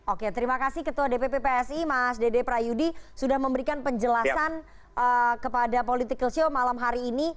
oke terima kasih ketua dpp psi mas dede prayudi sudah memberikan penjelasan kepada political show malam hari ini